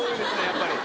やっぱり。